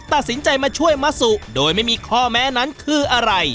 ตัดสินใจมาช่วยมะสุโดยไม่มีข้อแม้นั้นคืออะไร